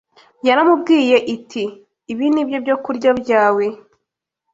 Yaramubwiye iti: “Ibi ni byo byokurya byawe.”